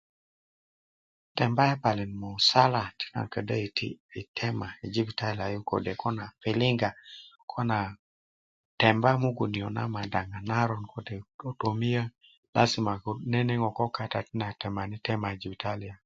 temba yapalin musala a ködyö yiti yi tema yi kibitaliya yu yi kode ko na pilinga kona temba mugum niyo na naron kode totomiyö laji ma ko neneŋo ko kata ti na temani tema yi jibitaliya